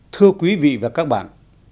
thưa quý vị và các bạn